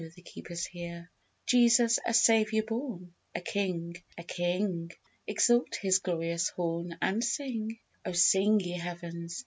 the Keeper's here. Jesus a Saviour born, A King: A King! exalt His glorious horn, And sing: O sing, ye heavens!